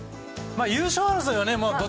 まあ、優勝争いはね。